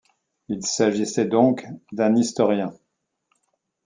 Il s'agissait donc d'un historien.